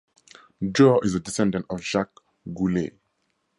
Joe is a descendant of Jacques Goulet.